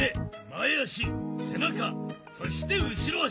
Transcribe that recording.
前足背中そして後ろ足。